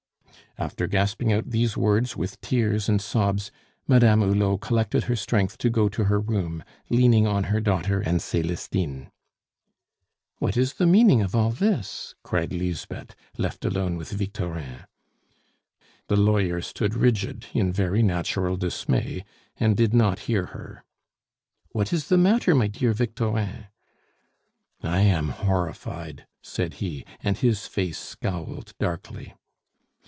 After gasping out these words with tears and sobs, Madame Hulot collected her strength to go to her room, leaning on her daughter and Celestine. "What is the meaning of all this?" cried Lisbeth, left alone with Victorin. The lawyer stood rigid, in very natural dismay, and did not hear her. "What is the matter, my dear Victorin?" "I am horrified!" said he, and his face scowled darkly.